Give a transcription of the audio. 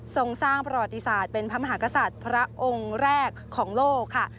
ส่งสร้างประวัติศาสตร์เป็นพระมหากษัตริย์พระองค์แรกของโลกค่ะ